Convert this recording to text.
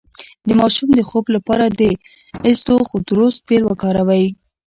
د ماشوم د خوب لپاره د اسطوخودوس تېل وکاروئ